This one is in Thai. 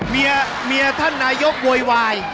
เมียท่านนายกโวยวาย